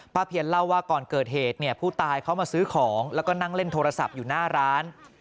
เพียนเล่าว่าก่อนเกิดเหตุเนี่ยผู้ตายเขามาซื้อของแล้วก็นั่งเล่นโทรศัพท์อยู่หน้าร้าน